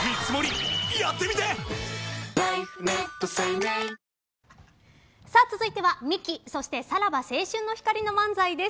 ＪＴ続いてはミキそして、さらば青春の光の漫才です。